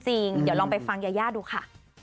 เดี๋ยวลองไปฟังยาย่าดูค่ะ